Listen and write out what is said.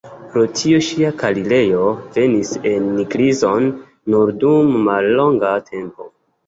Pro tio ŝia kariero venis en krizon nur dum mallonga tempo.